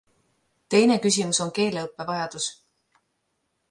Teine küsimus on keeleõppe vajadus.